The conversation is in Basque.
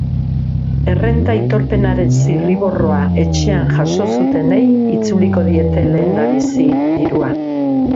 Errenta aitorpenaren zirriborroa etxean jaso zutenei itzuliko diete lehendabizi dirua.